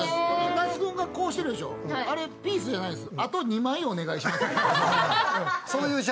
那須がこうしてるでしょ、あれピースじゃないです。